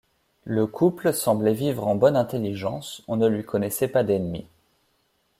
Le couple semblait vivre en bonne intelligence, on ne lui connaissait pas d'ennemis.